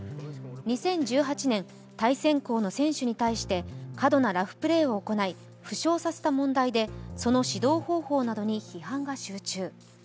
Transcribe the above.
２０１８年、対戦校の選手に対して過度なラフプレーを行い、負傷させた問題でその指導方法などに批判が集中。